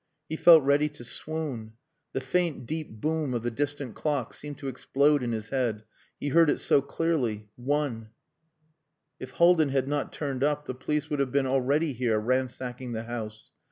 He felt ready to swoon. The faint deep boom of the distant clock seemed to explode in his head he heard it so clearly.... One! If Haldin had not turned up the police would have been already here ransacking the house.